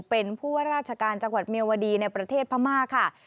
เป็นผู้ว่าราชการจังหวัดเมียวดีในประเทศพม่าค่ะ